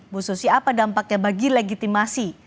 bu susi apa dampaknya bagi legitimasi